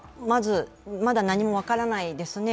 まだ何も分からないですね。